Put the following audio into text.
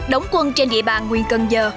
đóng quân trên địa bàn nguyên cần giờ